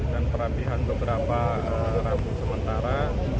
dan perambihan beberapa rambu sementara